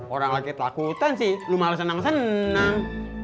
orang laki laki takutan sih lu malah senang senang